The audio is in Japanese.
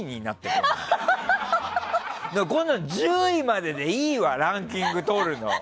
こんなの１０位まででいいわランキングとるの。